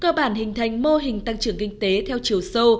cơ bản hình thành mô hình tăng trưởng kinh tế theo chiều sâu